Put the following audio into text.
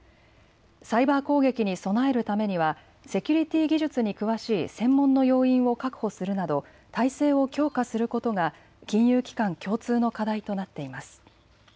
サイバー攻撃に備えるためにはセキュリティー技術に詳しい専門の要員を確保するなど態勢を強化することが金融機関共通の課題となっています。